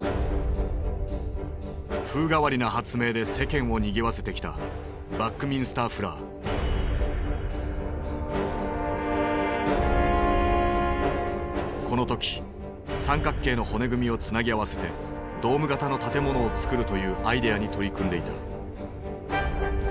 風変わりな発明で世間をにぎわせてきたこの時三角形の骨組みをつなぎ合わせてドーム型の建物をつくるというアイデアに取り組んでいた。